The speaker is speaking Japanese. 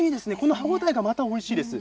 歯応えがまたおいしいですね。